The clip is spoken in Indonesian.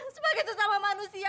sebagai sesama manusia